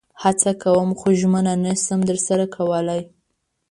هڅه کوم خو ژمنه نشم درسره کولئ